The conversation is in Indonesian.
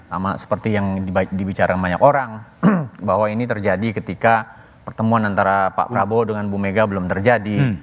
sama seperti yang dibicarakan banyak orang bahwa ini terjadi ketika pertemuan antara pak prabowo dengan bu mega belum terjadi